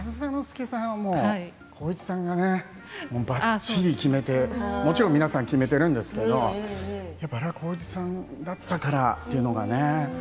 上総介さんは浩市さんがばっちり決めてもちろん皆さん決めてるんですけれどやっぱり、あれは浩市さんだったからというのがね。